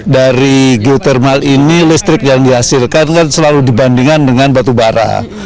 dari geotermal ini listrik yang dihasilkan selalu dibandingkan dengan batubara